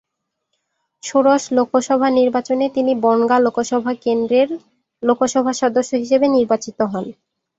ষোড়শ লোকসভা নির্বাচনে তিনি বনগাঁ লোকসভা কেন্দ্রের লোকসভা সদস্য হিসেবে নির্বাচিত হন।